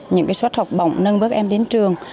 những suất học bổng nâng bước em đến trường